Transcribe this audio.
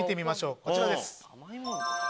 こちらです。